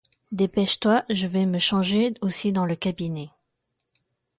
Dépêche-toi, je vais me changer aussi dans le cabinet.